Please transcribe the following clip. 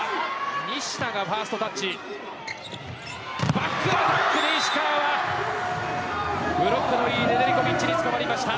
バックアタックで石川はブロックの良いネデリコビッチにつかまりました。